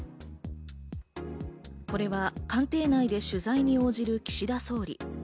これは官邸内で取材に応じる岸田総理。